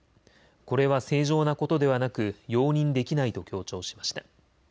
これは正常なことではなく容認できないと強調しました。